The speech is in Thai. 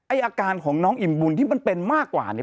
อาการของน้องอิ่มบุญที่มันเป็นมากกว่าเนี่ย